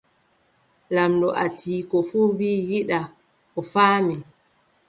Lamɗo Atiiku fuu wii yiɗaa. a faami.